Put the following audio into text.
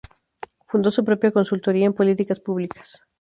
Fundó su propia consultoría en políticas públicas.